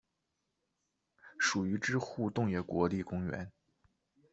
属于支笏洞爷国立公园。